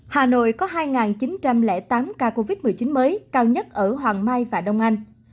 hà nội có hai chín trăm linh tám ca covid một mươi chín mới cao nhất ở hoàng mai và đông anh